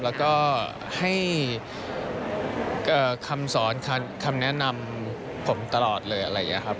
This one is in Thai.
แล้วก็ให้คำสอนคำแนะนำผมตลอดเลยอะไรอย่างนี้ครับ